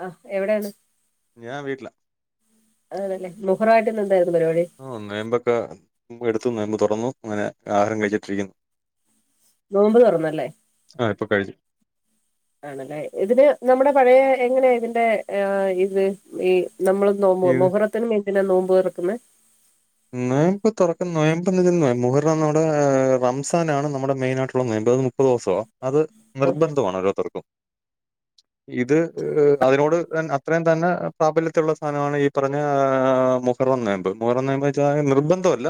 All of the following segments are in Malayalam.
ആ എവടേണ് ഞാൻ വീട്ട്ലാ ആണല്ലെ മുഹറായിട്ടിന്ന് ഇന്നെന്തായിരുന്നു പരിപാടി ആ നോയമ്പൊക്കെ എടുത്തു നോമ്പ് തുറന്നു അങ്ങനെ ആഹാരം കഴിച്ചിട്ടിരിക്കുന്നു നോമ്പ് തൊറന്നല്ലേ ആ ഇപ്പൊ കഴിഞ്ഞു ആണല്ലേ ഇതിന് നമ്മുടെ പഴേ എങ്ങനെ ഇതിന്റെ എ ഇത് ഈ നമ്മൾ നോമ്പ് ഈ മുഹറത്തിനും എന്തിനാ നോമ്പ് തൊറക്കുന്നേ നോയമ്പ് തൊറക്കും നോയമ്പിന് മുഹറം നമ്മുടെ റംസാനാണ് നമ്മുടെ മെയിനായിട്ടുള്ള നോയമ്പ് അത് മുപ്പ് പ്പതുസാ അത് ആഹ് നിർബന്ധമാണോരോത്തർക്കും ഇത് അതിനോട് അത്രയും തന്നെ പ്രാബല്യത്തുള്ള സാനാണ് ഈ പറഞ്ഞ മു ഹറം നോയമ്പ് മുഹറം നോയമ്പെച്ചാ നിർബന്ധല്ല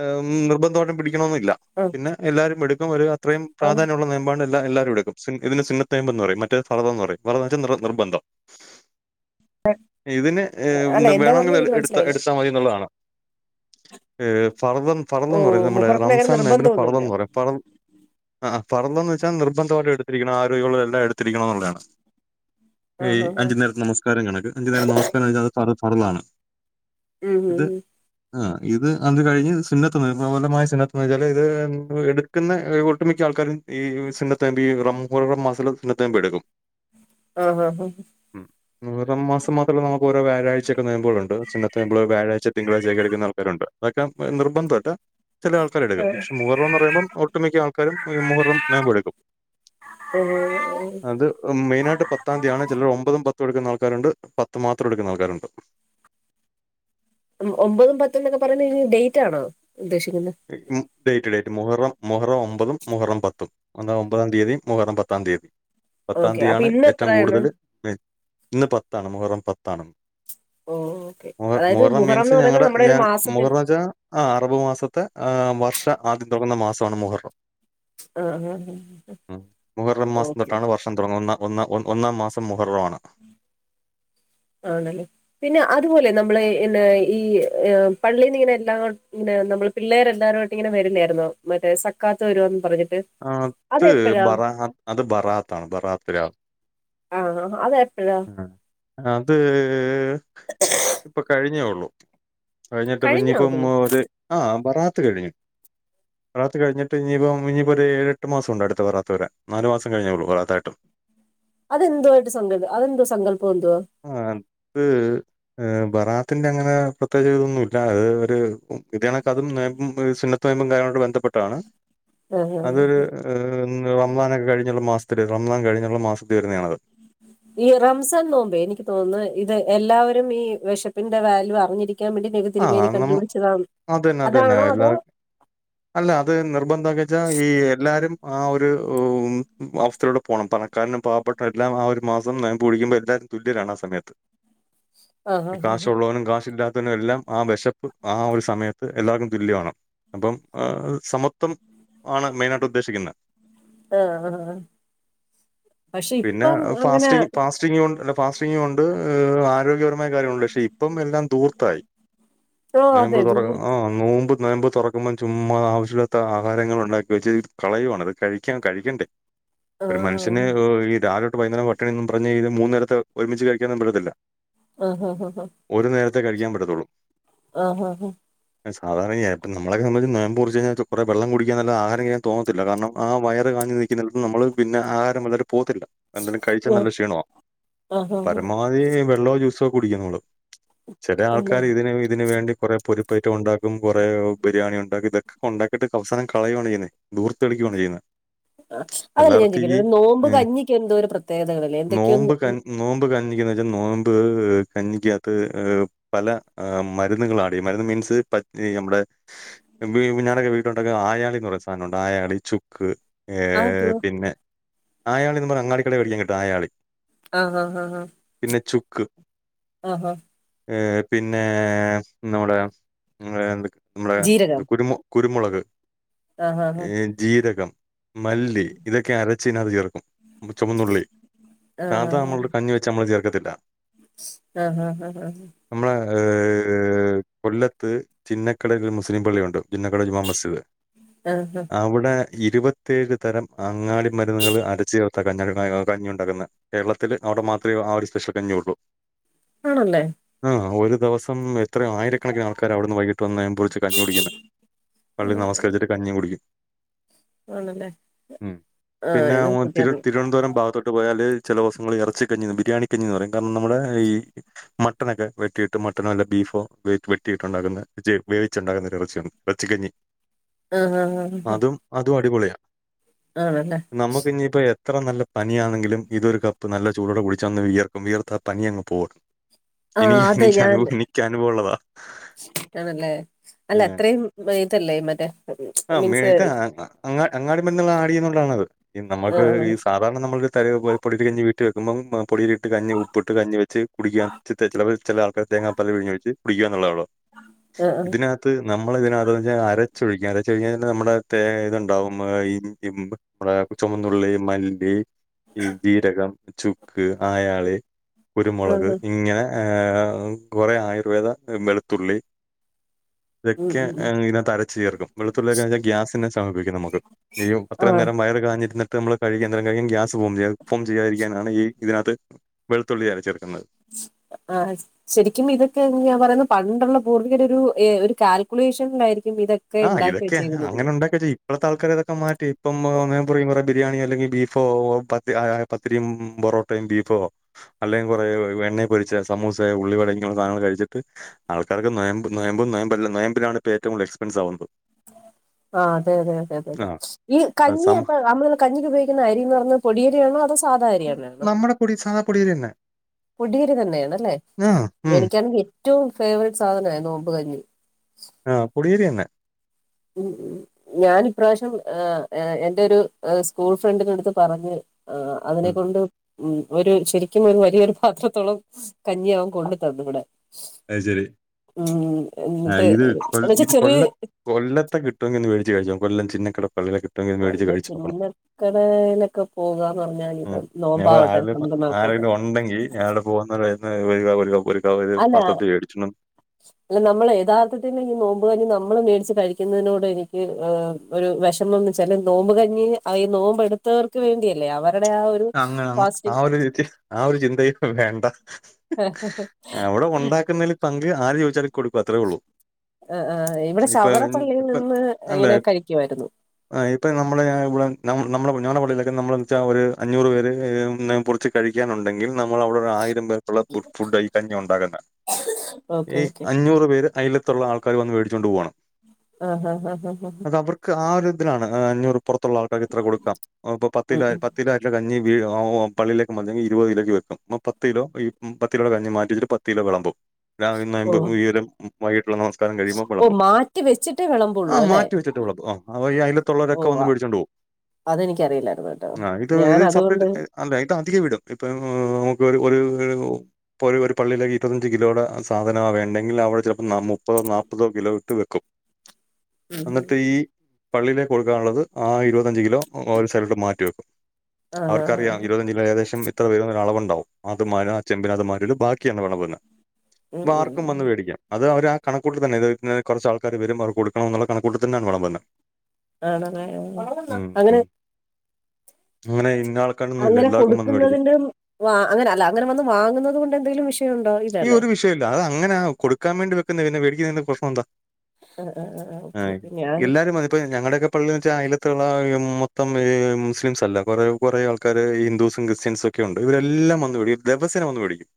എ നിർബന്തായിട്ടും പിടിക്കണംന്നില്ല ആഹ് പിന്നെ എല്ലാരും എടുക്കും ഒരു അത്രയും ആഹ് പ്രാധാന്യമുള്ള നോയമ്പാണ് ഇ ല്ല എല്ലാരും എടുക്കും ഇതിന് സുന്നത്ത് നൊയമ്പെന്ന് പറയും മറ്റേത് ഫർളെന്ന് പറയും ഫർള്ന്ന് വെച്ചാ നിർബന്ധം ഇതിന് അല്ല എന്താ വേണെങ്കി പറഞ്ഞെ എനിക്ക് എട്ത്താ മനസ്സിലായില്ല എട്ത്താ മതിന്ന്ള്ളതാണ് ഏ ഫർള് ഓ ഫർള്ന്ന് പറയും നമ്മുടെ മുഹറത്തിന് അങ്ങനെ റംസാൻ നോയമ്പിന് നിർബന്ധമൊന്നുമില്ല ഫർളെന്ന് പറയും ഫർ അഹാ ഫർളെന്ന് വെച്ചാ നിർബന്ധമായിട്ട് എടുത്തിരിക്കണം ആരോഗ്യമുളളവരെല്ലാം എടുത്തിരിക്കണം ന്നുള്ളതാണ് ഈ ആഹ് അഞ്ച് നേരത്തെ നമസ്കാരം കണക്ക് അഞ്ച് നേരം നമസ്കാരം ന്ന് വെച്ചാ അത് ഫർളാണ് ഉം ഉം ഉം ആഹ് ഇത് അത് കഴിഞ്ഞ് സുന്നത്ത് നൊയമ്പ് [unintelligible] സുന്നത്ത് ന്ന് വെച്ചാല് ഇത് എടുക്കുന്ന ഒട്ടുമിക്ക ആൾക്കാരും ഈ സുന്നത്തൊയമ്പ് ഈ റം പോലുള്ള മാസത്തില് സുന്നത്തൊയമ്പെടുക്കും ആഹ് ഹ ഹ ഉം മുഹറം മാസം മാത്രമല്ല നമ്മക്ക് ഓരോ വ്യഴാഴ്ചയൊക്കെ നൊയമ്പള്ണ്ട് സുന്നത്ത് നൊയമ്പ് വ്യാഴാഴ് ട്ട് തിങ്കളാഴ്ചക്കെ എടുക്കുന്ന ആൾക്കാരുണ്ട് തൊക്കെ നിർബന്ധല്ല ചെലാൾ ക്കരെടുക്കും ആഹ് പക്ഷെ മുഹറം ന്ന് പറയുമ്പോ ഒട്ടുമിക്ക ആൾക്കാരും മുഹറം നൊയമ്പെട്ക്കും [unintelligible] പ്പം മെയിനായിട്ട് പത്താന്ത്യാണ് ചെലര് ഒമ്പതും പത്തും എടുക്കുന്ന ആൾക്കാരുണ്ട് പത്ത് മാത്രം എടുക്കുന്ന ആൾക്കാരുണ്ട് ഒമ്പതും പത്തും ന്നൊക്കെ പറയുന്ന ഈ ഡെയ്റ്റാണോ ഉദ്ദേശിക്കുന്നേ ഉം ഡെയ്റ്റ് ഡെയ്റ്റ് മുഹറം മുഹറം ഒമ്പതും മുഹറം പത്തും ഒന്ന് ഒമ്പതാം തീയതിയും മുഹറം പത്താന്തി ഓക്കെ അപ്പൊ പത്താന്ത്യാണ് ഇന്ന് ഏറ്റോം എത്രയാണ് കൂടുതല് മെയിൻ ഇന്ന് പത്താണ് മുഹറം പത്താണ് ഓ ഓക്കെ മുഹ അതായത് മുഹറം മീൻസ് എന്ന് പറയുന്നത് ഞങ്ങടെ നമ്മുടെ ഒരു ഞാ മാസത്തിൽ മുഹറം ച്ചാ ആ അറബ് മാസത്തെ ആ വർഷ ആദ്യം തൊടങ്ങുന്ന മാസാണ് മുഹറം ആഹ് ആഹ് ഉം മുഹറം മാസം ഓക്കെ തൊട്ടാണ് വർഷ ത്തം തൊടങ്ങുന്ന ഒന്ന് ഒന്നാം മാസം മുഹറാണ് ആണ്ലെ പിന്നെ അതുപോലെ നമ്മള് എന്ന ഈ പള്ളിന്നിങ്ങനെ എല്ലാം ഇങ്ങനെ നമ്മള് പിള്ളേര് എല്ലാരുവായിട്ടിങ്ങനെ വരില്ലാരുന്നോ മറ്റേ സക്കാത്ത് വരുവാന്ന് പറഞ്ഞിട്ട് അത് അതെപ്പഴാ ബറാഹ അത് ബറാത്താണ് ബറാത്ത് രാവ് അതോ അതെപ്പഴാ ആഹ് അത് ഇപ്പൊ കഴിഞ്ഞേ ഒള്ളൂ കഴിഞ്ഞിട്ട്പ്പ കഴിഞ്ഞോ ഇനിയിപ്പം അത് ഒരു ആഹ് ബറാത്ത് കഴിഞ്ഞു ബറാത്ത് കഴിഞ്ഞിട്ടിഞ്ഞിയിപ്പം ഒരു ഏഴെട്ട് മാസം ഒണ്ട് അടുത്ത ബറാത്ത് വരാൻ നാല് മാസം കഴിഞ്ഞെ ഒള്ളൂ ബറാത്തായിട്ടും അതെന്തു ആയിട്ട് സങ്കല് അതെന്താ സങ്കല്പം എന്തുവാ ആഹ് അത് ബറാത്തിന്റെ അങ്ങനെ പ്രത്യേകിച്ച് ഇതൊന്നുല്ല അത് ഒരു ഇതിയ കണക്ക് അതും നേമ്പും സുന്നത്ത് നേയമ്പും കാര്യങ്ങളുമായിട്ട് ബന്ധപ്പെട്ടാണ് ആഹ് ആഹ് അതൊരു ഏഹ് റംദാനൊക്കെ കഴിഞ്ഞുള്ള മാസത്തില് റംദാൻ കഴിഞ്ഞുള്ള മാസത്തിൽ വരുന്നതാണത് ഈ റംസാൻ നോമ്പേ എനിക്ക് തോന്നുന്നു ഇത് എല്ലാവരും ഈ വെശപ്പിന്റെ വാല്യൂ അറിഞ്ഞിരിക്കാൻ വേണ്ടി നബി ആ തിരുമേനി നമ്മ കണ്ടുപിടിച്ചതാണ് അതന്നെ, അതന്നെ. അതാണോ എല്ലാ അതോ അല്ല അത് നിർബന്ധാക്കിച്ചാ ഈ എല്ലാരും ആഹ് ഒരു ഉം മാസത്തിലുടെ പോണം തണക്കാരനും പാവപ്പെട്ട എല്ലാം ആഹ് ഒരു മാസം നേമ്പുടിക്കുമ്പോ എല്ലാവാരും തുല്യരാണ് ആ സമയത്ത് ആഹ് ആഹ് കാശുള്ളവനും കാശില്ലാത്തവനും എല്ലാം ആഹ് വെശ ആ ഒരു സമയത്ത് എല്ലാവരും തുല്യമാണ് അപ്പം സമത്വം ആണ് മെയിനായിട്ട് ഉദ്ദേശിക്കുന്നേ ആഹ് ആഹ് ആഹ് പക്ഷെ ഇപ്പം അങ്ങനെ റ്റിംങ്ങോ ഫാസ്റ്റിംങ്ങോണ്ട് ആരോഗ്യപരമായ കാര്യങ്ങളൊണ്ട് പക്ഷെ ഇപ്പം എല്ലാം ധൂർത്തായി ഓഹ് നേമ്പ് അതെ തൊറ ദൂർത്ത് ആഹ് നോമ്പ് നേമ്പ് തൊറക്കുമ്പോം ചുമ്മാ ആവശ്യല്ലാത്ത ആഹാരങ്ങൾ ഒണ്ടാ വെച്ചത് കളയുവാണ് അത് കഴിക്കാൻ കഴിക്കണ്ടേ ഒരു ആഹ് മനുഷ്യന് ഈ രാവിലോട്ട് വൈന്നേരം ക്കണെന്നും പറഞ്ഞ് ഇത് മൂന്ന് നേരത്തെ ഒരുമിച്ച് കഴിക്കാനൊന്നും പറ്റത്തില്ല ആഹ് ഹ ഹ ഹ ഒരു നേരത്തെ കഴിക്കാൻ ആഹ് ഹ ഹ സാധാരണയിയേട്ടൻ നമ്മളെ സംബന്ധിച്ച് നേമ്പ്റിച്ച് കഴിഞ്ഞാൽ കുറെ വെള്ളം കുടിക്കാന്നല്ലെ ആഹാരം കഴിക്കാൻ തോന്നത്തില്ല കാരണം ആഹ് വയറ് കാഞ്ഞ് നി ക്കി നിൽക്കും നമ്മള് പിന്നെ ആഹാരം വല്ലാതെ പോവത്തില്ല എന്തേലും കഴിച്ചാൽ ഓ നല്ല ക്ഷീണ ആഹാ പരമ വതി വെള്ളോ ജ്യൂസോ കുടിക്കും നമ്മള് ചെല ആൾക്കാ അല്ല ഇതിന് വേണ്ടി കൊറെ പൊരിപ്പേറ്റ്കളുണ്ടാക്കും കൊറേ ബിരിയാണി ഒണ്ടാക്കും ഇതൊക്കെ ഒണ്ടാക്കിട്ട് അവസാനം കളയുവാണ് ചെയ്യുന്നേ ദൂർത്തടിക്കുവാണ് ചെയ്യുന്നെ ആ അതല്ല ഞാൻ ചോയിക്കട്ടെ ഒരു നോമ്പ് ഏഹ് കഞ്ഞിക്ക് എന്തോ ഒരു പ്രത്യേകതകളല്ലേ നോമ്പ് എന്തൊക്കെയൊന്ന് ക ഒ നോമ്പ് കഞ്ഞിക്കന്ന് വെച്ചാൽ നോമ്പ്ഏഹ് കഞ്ഞിക്കകത്ത് ഏഹ് പല ആഹ് മരുന്നുകൾ ആഡ് ചെയ്യും മരുന്ന് മീൻസ് പത് ഈ നമ്മുടെ വി ഞാനൊക്കെ വീട്ടിൽ ഉണ്ടാക്കുന്ന അയാളിന്ന് പറയ സാധനമുണ്ട് അയാളി ചുക്ക് ഏ അതോ പിന്നെ അയാളി എന്ന് പറഞ് അങ്ങാടികടയിൽ മേടിക്കാൻ കിട്ടും അയാളി ആഹ് ആഹ് ആഹ് ആഹ് പിന്നെ ചുക്ക് ആഹ് ആഹ് ഏഹ് പിന്നെഹ് നമ്മുടെ നമ്മുടെ എന്ത്‌ നമ്മുടെ എന്ത് ജീരകം കുരുമു കുരുമുളക് ആഹ് ആഹ് ആഹ് ജീരകം മല്ലി ഉം. ഇതൊക്കെ അരച്ച് ഇതിനകത്ത് ചേർക്കും ചുവന്നുള്ളി ആഹ് സാധാ നമ്മലൊരു കഞ്ഞി വെച്ച മ്മള് ചേർക്കത്തില്ല ആഹ് ആഹ് ആഹ് ആഹ് നമ്മളെ ഏഹ് കൊല്ലത്ത് ചിന്നക്കടയിൽ ഒരു മുസ്ലിം പള്ളിയുണ്ട് ചിന്നക്കട ജുമാ മസ്ജിദ് ആഹ് ആഹ്. അവിടെ ഇരുപത്തെഴ് തരം അങ്ങാടി മരുന്നുകൾ അരച്ച് ചേർത്ത് ത്ത കഞ്ഞക കാ കഞ്ഞി ഉണ്ടാക്കുന്ന കേരളത്തിൽ അവിടെ മാത്രമേ ആ ഒരു സ്പെഷ്യൽ കഞ്ഞിയൊള്ളൂ ആണല്ലേ ആ ഒരു ദിവസം എത്രയൊ ആയിരക്കണക്കിന് ആൾക്കാരാ അവിടുന്ന് വൈകിട്ട് വന്ന് കുളിച് കഞ്ഞി കുടിക്കുന്നെ പള്ളിയിൽ നമസ്കരിചിട്ട് കഞ്ഞി കുടിക്കും ആണല്ലേ ഉം ആഹ് പിന്നെ ഇത് ഒ പുതിയ തിരു അറിവ് തിരുവനന്തപുരം ഭഗത്തോ ട്ട് പോയാല് ചില ദവസങ്ങളില് ഇറച്ചി കഞ്ഞിന്ന് ബിരിയാണി കഞ്ഞിന്ന് പറയും കാരണം നമ്മുടെ ഈ മ മട്ടനൊക്കെ വെട്ടിയിട്ട് മട്ടനോ അല്ല ബീഫോ വെട്ടിയിട്ടുണ്ടാക്കുന്ന വേവിച്ചച്ച് ഉണ്ടാുന്ന ഒരു ഇറച്ചിയൊണ്ട് ഇറച്ചിക്കഞ്ഞി ആഹ് ആഹ് ആഹ് ആഹ് അതും അതും അടിപൊളിയാ ആണല്ലേ നമുക്കിനിപ്പോ എത്ര നല്ല പനിയാണെങ്കിലും ഇതൊരു കപ്പ് നല്ല ചൂടോടെ കുടിച്ചാ അങ്ങ് വിയർക്കും വിയർത്താ പനി അങ്ങ് പോകും ആ എനിക്ക് അതെ എനിക്ക് ഞാൻ അനുഭവം എനിക്ക് അനുഭവം ഉള്ളതാ ആണല്ലേ അല്ല അത്രയും വാ ഇതല്ലേ മറ്റേ ആഹ് മീൻസ് മേത് ആ അ അങ്ങാ അങ്ങാടി മരുന്നുകൾ ആടെയ്യുന്നുണ്ടാണത് ഈ നമുക്ക് ആഹ് ഈ ആഹ് സാധാരണ നമ്മൾ ഒരു തരി പൊ പൊടിയരി കഞ്ഞി വീട്ടി വക്കുമ്പം പൊടിയരി ഇട്ട് കഞ്ഞി ഉപ്പിട്ട് കഞ്ഞി വെച്ച് കുടിക്കാൻ ച്ചി ത ചിലപേർ ചില ആൾക്കാെർ തേങ്ങാ പാൽ പിഴിഞ് ഒഴിച്ച് കുടിക്കുകാന്നുള്ളതെഉള്ളു ആഹ് ആഹ് ഇതിനകത്ത് നമ്മൾ ഇതിനകത്തെന്നുവെച്ചാൽ അരച്ചൊഴിക്കും അര വച്ച്കഴിഞ്ഞാൽ നമ്മുടെ തെ ഇതുണ്ടാവും ഇഞ്ച നമ്മടെ ചുമന്നുള്ളി മല്ലി ഈ ജീരകം ചുക്ക് അയാളി ആഹ് കുരുമുളക് ആഹ്. ഇങ്ങനെ ഏഹ് കുറേ ആയുർവേദ വെളുത്തുള്ളി ഉം ഇതൊക്കെ ഉം ഉം ഇതിനകത്ത് അരച്ച് ചേർക്കും വെളുത്തുള്ളിയൊക്കെ കഴിഞ്ഞാ ഗ്യാസിനെ ശമപിക്കും നമുക്ക് നിയു അത്ര ആഹ് നേരം വയറ് കാഞ്ഞിരുന്നിട്ട് നമ്മള് കഴിക്ക എന്തെരേലും കഴിക്കും ഗ്യാസ് ഫോം ചെയ്യും അത് ഫോം ചെയ്യാതിരിക്കാനാണ് ഈ ഇതിനകത്ത് വെളത്തുള്ളി അരച്ച് ചേർക്കുന്നത് ആഹ് അശ് ശരിക്കും ഇതൊക്കെന്ന് ഞാൻ പറയുന്നത് പണ്ടുള്ള പൂർവികര് ഒരു ഏ ഒരു കാൽക്കുലേഷനിലായിരിക്കും ഇതൊക്കെ ആഹ് ഉണ്ടാക്കി ഇതൊക്കെ വെച്ചേക്കുന്നത് അങ്ങനെ ഉണ്ടൊക്കെ ചെയ്യും ഇപ്പളത്തെ ആൾക്കർ ഇതൊക്കെ മാറ്റി ഇപ്പം ഞാൻ പറയും കുറെ ബിരിയാണിയൊ അല്ലെങ്കിൽ ബീഫോ ഓ ഓ ആഹ് പത്തി പത്തിരിയും പൊറോട്ടയും ബീഫോ അല്ലെങ്കിൽ കുറേ ഏ എണ്ണയിൽ പൊരിച്ച സമൂസയൊ ഉള്ളിവട ഇങ്ങനെയുള്ള സധങ്ങൾ കഴിച്ചിട്ട് ആൾക്കാർക്ക് നോയംബ് നോയംബ് നോയമ്പല്ല നോയമ്പിനാണ് ഇപ്പോ ഏറ്റവും കൂടുൽ എക്സ്പെൻസ് ആവുന്നത് ആഹ് അതെ അതെ അതെ ഈ ആഹ് കഞ്ഞി സം അപ്പൊ നമ്മള് കഞ്ഞിക്ക്‌ ഉപയോഗിക്കുന്ന അരിയെന്നുപറയുന്നത് പൊടിയരിയാണോ അതോ സാധാ അരിയന്നയാണോ നമ്മുടെ പൊടി സാദാ പൊടി പൊടിയേരി തന്നെയണല്ലേ ആഹ് ഉം എനിക്കാണെങ്കിൽ ഏറ്റവും ഫേവററ്റ് സാധനമായിരുന്നു നോമ്പ് കഞ്ഞി ആഹ് പൊടിയരി തന്നെ ഞാൻ ഇപ്രാവശ്യം എൻറെ ഒരു സ്കൂൾ ഫ്രണ്ടിനടുത്ത് പറഞ്ഞ് ആഹ് അതിനെ ഉം കൊണ്ട് ഉ ഒരു ശരിക്കും ഒരു വലിയൊരു പാത്രത്തോളം കഞ്ഞി വൻ കൊണ്ടു തന്നു ഇവിടെ അതുശെരി ഉം എന്നിട്ട് എന്ന വച്ചാ ഇത് ചെറിയ കൊല്ല കൊല്ലത്തെ കിട്ടുങ്കി ഒന്നുമേടിച്ചു കഴിചോക്ക് കൊല്ലം ചിന്ന കട [unintelligible] കൊല്ലം ചിന്നക്കടേലൊക്കെ പോകാന്ന് പറഞ്ഞാല് ഇപ്പോ ആഹ്. ഞമ്മൾ നോമ്പാവട്ടെ ആരെലും നമുക്ക് നോക്കോക്കെ ആരെങ്കിലും ഉണ്ടെങ്കി അയാളുടെ [unintelligible] ആണാ അല്ല നമ്മള് യഥാർത്ഥത്തിൽ നോമ്പ് കഞ്ഞി നമ്മള് മേടിച്ച് കഴിക്കുന്നതിനോട് എനിക്ക് ഒരു വിഷമം എന്ന് വെച്ചാല് നോമ്പ് കഞ്ഞി ഈ നോമ്പ് എടുത്തവർക്ക് വേണ്ടിയല്ലേ അവ വിടെ ആ ഒരു അങ്ങനെ ആ ഫാസ്റ്റിംഗ് ഒരു ര ആ ഒരു ചിന്തയൊന്നും വേണ്ട അവിടെ ഉണ്ടാക്കുന്നതില് പങ്ക് ആര് ചോദിച്ചാലും കൊടുക്കും അത്രയുള്ളൂ ഇവിടെ ഇപ്പൊ ശവറപ്പള്ളിയിൽ നിന്ന് അല്ല ഇങ്ങനെ കഴിക്കുമായിരുന്നു ആഹ് ഇപ്പ നമ്മടെ ഇവിടെ നമ്മുടെ ഞങ്ങടെ പള്ളയിലൊക്കെ നമ്മളെന്ന് വെച്ചാൽ അവര് അഞ്ഞൂറ് പേര് പൊളിച്ച് കഴിക്കാൻ ഉണ്ടെങ്കിൽ നമ്മള് അവിടെ ഒര് ആയിരം പേർക്കുള്ള ഫുഡ് ആ കഞ്ഞിയാ ഉണ്ടാക്കുന്നേ ഓക്കെ ഈ ഓക്കെ അഞ്ഞൂറ് പേര് അയലത്തള്ള ആൾക്കാര് വന്ന് മേടിച്ചോണ്ട് പോവാണ് ആഹ് ആഹ് ആഹ് ആഹ് അത് അവർക്ക് ആ ഒരു ഇതിലാണ് ആ അഞ്ഞൂറ് പുറത്തുള്ള ആൾക്കാർക്ക് ഇത്ര കൊടുക്കാം ഇപ്പോ പത്ത്‌ ഉം കിലോ അരി ഉം പത്ത് കിലോ അരിക്കുള്ള കഞ്ഞി പള്ളീലേക്ക് മതിയെങ്കിൽ ഇരുപത് കിലോക്ക് വെക്കും ആ പ ത്ത് കിലോ ഈ പത്ത് കിലോയുടെ കഞ്ഞി മാറ്റി വച്ചിട്ട് പത്ത് കിലോ വിളമ്പും ഓ [unintelligible] വൈകിട്ടുള്ള നമസ്കാരം കഴിയുമ്പോ ഓ വിളമ്പും മാറ്റി വെച്ചിട്ടേ ആ വിളമ്പുള്ളൂ അല്ലെ മാറ്റി വെച്ചിട്ട് വിളമ്പും ആ അയലോ ഓ ക്കത്തുള്ളവൊരൊക്കെ വന്ന് മേടിച്ചോണ്ട് പോവും അതെനിക്കറിയില്ലായിരുന്നു കേട്ടോ ഞാൻ അതുകൊണ്ട് അല്ലാ ഇത് അധികം ഇടും ഇപ്പം നമുക്ക് ഒരു ഇപ്പോ ഒരു പള്ളീലേക്ക് ഇരുപത്തഞ്ച് കിലോടെ സാധനമാവ വേണ്ടെങ്കിൽ അവിടെ ചിലപ്പോ മുപ്പതോ നാൽപ്പതോ കിലോ ഇട്ട് വെക്കും ഉം ഉം അന്നിട്ട് ഈ പള്ളിയിലേക്ക് കൊടുക്കാനുള്ളത് ആ ഇരുപത്തഞ്ച് കിലോ ഒര് സൈഡിലോട്ട് മാറ്റി വെക്കും ആഹ് അവർക്കറിയാം ഇരുപത്തഞ്ച് കിലോ ഏകദേശം എത്ര വരൂന്ന് ഒരു അളവുണ്ടാവും അത് ആ ചെമ്പിനകത്ത് മാറ്റി വച്ചിട്ട് ബാക്കിയാണ് വിളമ്പുന്നത് ഉം അപ്പോ ആർക്കും ഉം വന്ന് മേടിക്കാം അത് അവര് ആ കണക്കൂട്ടലിൽ തന്നെയാ കുറച്ച് ആൾക്കാര് വരും അവർക്ക് കൊടുക്കണം എന്നുള്ള കണക്ക് കൂട്ടലിൽ തന്നെയാണ് വെളമ്പുന്നെ ആണല്ലേ അങ്ങനെ ഇങ്ങനെ ഇന്നാൾ അങ്ങനെ കൊടുക്കുന്നതിന്റെ അങ്ങനെ കൊടുക്കുന്നതിന്റെ ആ അങ്ങനെ അല്ല അങ്ങനെ വന്ന് വാങ്ങുന്നത് കൊണ്ട് എന്തെങ്കിലും വിഷയം ഉണ്ടോ ഈ ഏ ഒരു വിഷയവില്ല അത് അങ്ങനാ കൊടുക്കാൻ വേണ്ടി വെക്കുന്നതാ പിന്നെ മേടിക്കുന്ന കൊണ്ട് എന്താ കുഴപ്പമെന്താ ആ ആ ആ ഓക്കെ ആഹ് ഓക്കെ ഞാൻ എല്ലാരും അതിപ്പൊ ഞങ്ങളുടെയൊക്കെ ഈ പള്ളീന്ന് വെച്ചാൽ അയിലത്തുള്ള മൊത്തം മുസ്ലിംസ് അല്ല കുറെ കുറെ ആൾക്കാര് ഹിന്ദുസും ക്രിസ്ത്യൻസും ഒ ക്കെ ഉണ്ട് ഇവരെല്ലാം വന്ന് മേടിക്കും ദിവസേന വന്ന് മേടിക്കും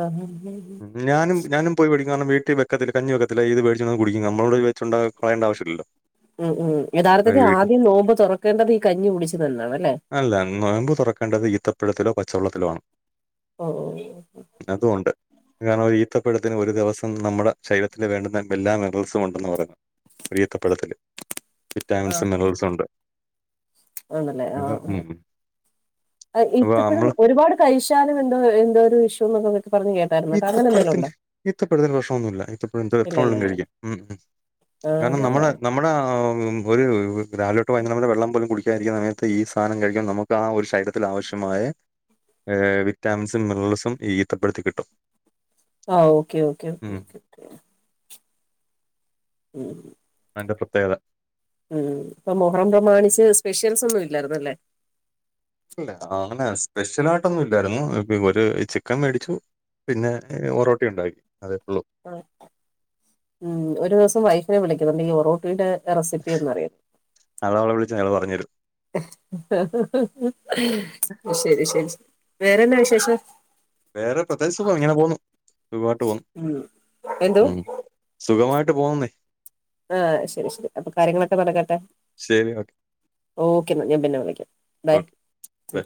ആഹ് ആഹ് ആഹ് ഉം. ഞാനും ഞാനും പോയി മേടിക്കുന്ന കാരണം വീട്ടിൽ വെക്കത്തില്ല കഞ്ഞി വെക്കത്തില്ല ഇത് മേടിച്ചോണ്ട് വന്ന് കുടിക്കും നമ്മളൂടെ ഇത് വച്ച് ഉണ്ടാ കളയേണ്ട ആവശ്യവില്ലല്ലോ ഉം ഉം യഥാർത്ഥത്തിൽ ആദ്യം നോമ്പ് തുറക്കേണ്ടത് ഈ കഞ്ഞി കുടിച്ചു തന്നാണല്ലേ അല്ല നോമ്പ് തുറക്കേണ്ടത് ഈത്തപ്പഴത്തിലോ പച്ചവെള്ളത്തിലോ ആണ് ഓ ഓ ഓ അതും ഒണ്ട് കാരണം ഒരു ഈത്തപ്പഴത്തിന് ഒരു ദിവസം നമ്മുടെ ശരീരത്തിൽ വേണ്ടുന്ന എല്ലാ മെറൽസും ഉണ്ടെന്ന് പറയുന്നു ഒര് ഈത്തപ്പഴത്തില് ആ വിറ്റാമിൻസും മിനറൽസും ഉണ്ട് ആണല്ലേ ആ അപ്പൊ ഉം ആ അപ്പൊ ഇത്തപ്പഴം നമ്മള് ഒരുപാട് കഴിച്ചാലും എന്തോ എന്തോ ഒരു ഇഷ്യൂ ഉണ്ടെന്നൊക്കെ പറഞ്ഞ് കേക്കാം ഇത്തപ്പഴത്തിന് ഇത്തപ്പഴത്തിന് പ്രശനവൊന്നുവില്ല ഇത്തപ്പഴം എ എത്ര വേണേലും കഴിക്കാം ഉം ഉം ആഹ് കാരണം നമ്മുടെ നമ്മുടെ ഒരു രാവിലോട്ട് വൈനേരം നമ്മുടെ വെള്ളം പോലും കുടിക്കാതിരിക്കുന്ന സമത്ത് ഈ സാധനം കഴിക്കാൻ നമുക്ക് ആ ഒരു ശരീരത്തിൽ ആവശ്യമായ വിറ്റാമിൻസും മിനറൽസും ഈ ഈത്തപ്പഴത്തി കിട്ടും ആ ഓക്കേ ഓക്കേ ഉം ഓക്കെ ഉം അയിന്റെ പ്രത്യേകത ഉം ഇപ്പം മൊഹറം പ്രമാണിച്ച് സ്പെഷ്യൽസ് ഒന്നും ഇല്ലായിരുന്നല്ലേ ല്ലെ അങ്ങനെ സ്പെഷ്യല ആയിട്ടൊന്നും ഇല്ലായിരുന്നു ഒരു ചിക്കൻ മേടിച്ചു പിന്നെ ഒറോട്ടി ഉണ്ടാക്കി അതേ ഉള്ളൂ ആ ഉം ഒരു ദിവസം വൈഫിനെ വിളിക്കുന്നുണ്ട് ഈ ഒറോട്ടീടെ റെസിപ്പി ഒന്നറിയാം അവളെ വിളിച്ചാ അവള് പറഞ്ഞ് തരും ശരി ശരി വേറെന്താ വിശേഷം വേറെ പ്രത്യേകിച്ച് ഇങ്ങനെ പോകുന്നു സുഖയിട്ട് പോണു ഉം എന്തോ സുഖമായിട്ട് പോവുന്നേ ആഹ് ശരി ശരി അപ്പൊ കാര്യങ്ങളൊക്കെ നടക്കട്ടെ ശരി ഓക്കെ ഓക്കെ എന്നാൽ ഞാൻ പിന്നെ വിളിക്കാം ബൈ ഓക്കെ ബൈ